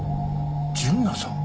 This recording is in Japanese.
純奈さん？